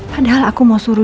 padahal aku mau suruh